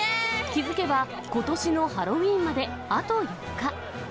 気付けば、ことしのハロウィーンまであと４日。